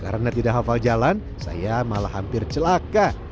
karena tidak hafal jalan saya malah hampir celaka